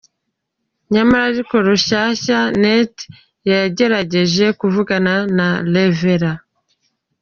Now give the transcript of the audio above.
Nyamara ariko Rushyashya.net yagerageje kuvugana na Rev.